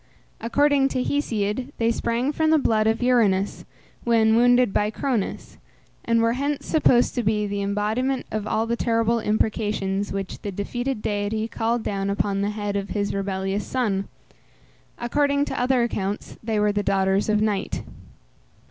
According to Hesiod, they sprang from the blood of Uranus, when wounded by Cronus, and were hence supposed to be the embodiment of all the terrible imprecations, which the defeated deity called down upon the head of his rebellious son. According to other accounts they were the daughters of Night.